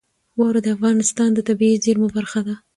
واوره د افغانستان د طبیعي زیرمو برخه ده.